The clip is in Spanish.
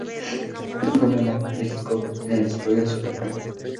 Esto fue momento crítico en el desarrollo de su carrera.